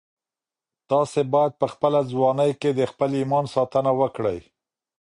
تاسي باید په خپله ځواني کي د خپل ایمان ساتنه وکړئ.